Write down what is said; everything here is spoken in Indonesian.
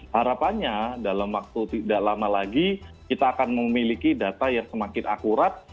harapannya dalam waktu tidak lama lagi kita akan memiliki data yang semakin akurat